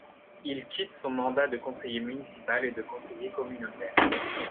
Il quitte son mandat de conseiller municipal et de conseiller communautaire.